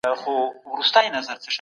تاسو خپلي ژمنې په سمه توګه ترسره کړې.